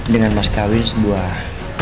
dengan mas kawin sebuah